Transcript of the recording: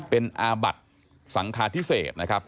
เป็นอาบัติสังคาพิเศษนะครับ